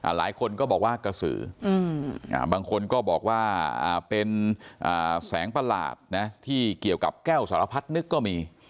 หลายคนก็บอกว่ากระสือบางคนก็บอกว่าเป็นแสงประหลาดที่เกี่ยวกับแก้วสารพัดนึกก็มี